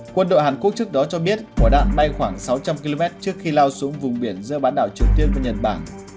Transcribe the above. quân đội hàn quốc trước đó cho biết quả đạn bay khoảng sáu trăm linh km trước khi lao xuống vùng biển giữa bán đảo triều tiên và nhật bản